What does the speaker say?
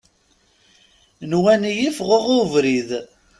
Nwan-iyi ffɣeɣ i ubrid.